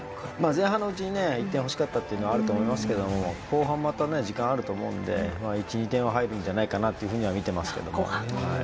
前半のうちに１点欲しかったというのはあると思いますが後半、時間はあると思うので１、２点は入るんじゃないかなと見てますけど。